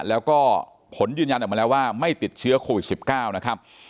แล้วก็ผลยืนยันออกมาแล้วว่าไม่ติดเชื้อโควิด๑๙นะครับ